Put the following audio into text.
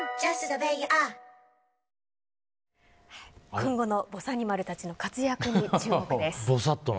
今後のぼさにまるたちの活躍に注目です。